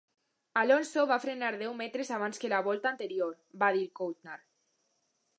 "Alonso va frenar deu metres abans que la volta anterior", va dir Coulthard.